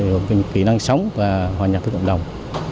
một kỹ năng sống và hòa nhập với cộng đồng